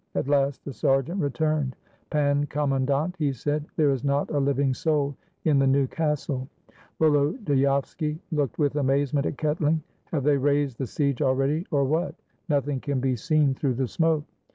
At last the sergeant returned. "Pan Commandant," he said, "there is not a living soul in the new castle." Volodyovski looked with amazement at Ketling. "Have they raised the siege already, or what ? Nothing can be seen through the smoke."